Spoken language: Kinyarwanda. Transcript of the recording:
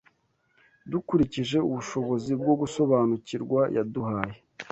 Dukurikije ubushobozi bwo gusobanukirwa yaduhaye